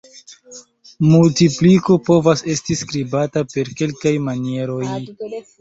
Multipliko povas esti skribata per kelkaj manieroj.